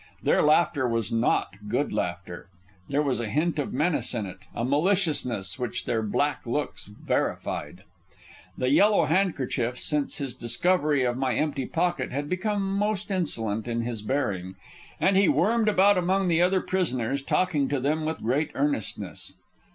Their laughter was not good laughter. There was a hint of menace in it, a maliciousness which their black looks verified. The Yellow Handkerchief, since his discovery of my empty pocket, had become most insolent in his bearing, and he wormed about among the other prisoners, talking to them with great earnestness.